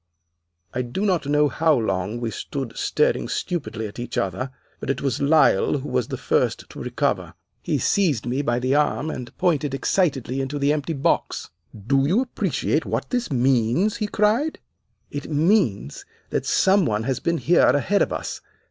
"I do not know how long we stood staring stupidly at each other, but it was Lyle who was the first to recover. He seized me by the arm and pointed excitedly into the empty box. "'Do you appreciate what that means?' he cried. 'It means that some one has been here ahead of us.